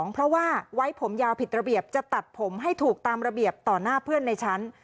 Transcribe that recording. เพราะว่าไว้ผมยาวผิดระเบียบจะตัดผมให้ถูกตามระเบียบต่อหน้าเพื่อนในชั้น